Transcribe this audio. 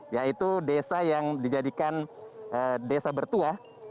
yaitu desa yang dijadikan desa bertua